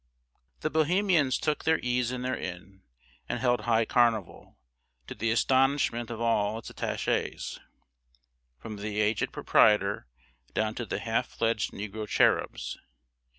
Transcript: ] The Bohemians took their ease in their inn, and held high carnival, to the astonishment of all its attachés, from the aged proprietor down to the half fledged negro cherubs.